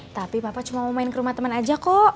tapi papa cuma mau main ke rumah teman aja kok